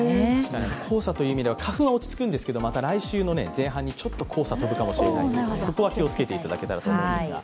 黄砂という意味では、花粉は落ち着くんですが、来週前半にちょっと黄砂が飛ぶかもしれない、そこは気をつけていただきたいと思いますが。